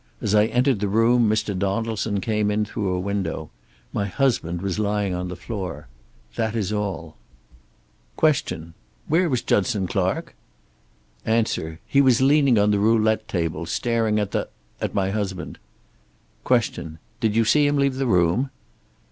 As I entered the room Mr. Donaldson came in through a window. My husband was lying on the floor. That is all." Q. "Where was Judson Clark?" A. "He was leaning on the roulette table, staring at the at my husband." Q. "Did you see him leave the room?"